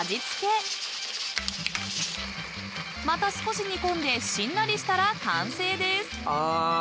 ［また少し煮込んでしんなりしたら完成です］